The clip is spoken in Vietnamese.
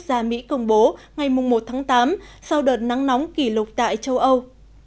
gia mỹ công bố ngày một tháng tám sau đợt nắng nóng kỷ lục tại châu âu